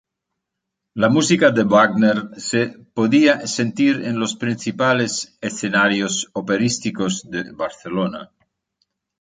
La música de Wagner se podía sentir en los principales escenarios operísticos de Barcelona.